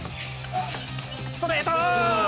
ストレート！